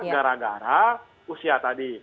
gara gara usia tadi